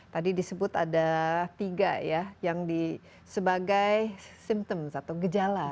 tadi disebut ada tiga ya yang sebagai simptoms atau gejala